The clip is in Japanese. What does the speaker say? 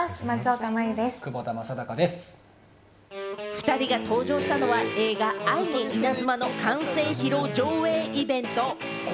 ２人が登場したのは映画『愛にイナズマ』の完成披露上映イベント。